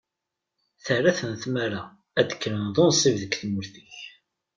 Terra-ten tmara ad k-rren d unsib deg tmurt-ik.